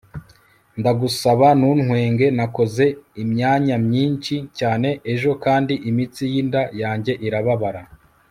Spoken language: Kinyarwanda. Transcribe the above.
Ndagusaba Ntuntwenge Nakoze imyanya myinshi cyane ejo kandi imitsi yinda yanjye irababara